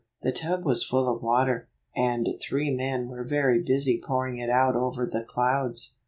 The tub was full of water, and three men were very busy pouring it out over the clouds.